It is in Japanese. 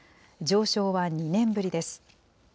上昇は２年ぶりです。